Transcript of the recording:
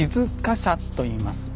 といいます。